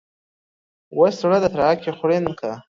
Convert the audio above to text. وش ﺯړه د راکي خوړين که